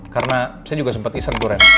karena saya juga sempat iseng tuh ren